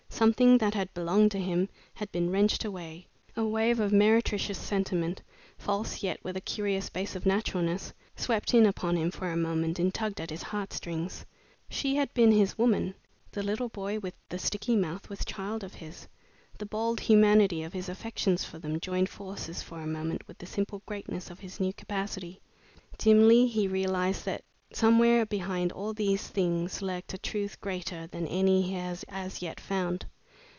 Something that had belonged to him had been wrenched away. A wave of meretricious sentiment, false yet with a curious base of naturalness, swept in upon him for a moment and tugged at his heart strings. She had been his woman; the little boy with the sticky mouth was child of his. The bald humanity of his affections for them joined forces for a moment with the simple greatness of his new capacity. Dimly he realized that somewhere behind all these things lurked a truth greater than any he had as yet found.